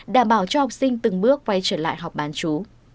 đảm bảo cho học sinh từng bước quay trở lại học bán chú